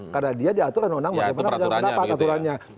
karena dia diaturkan undang undang bagaimana menangkan pendapat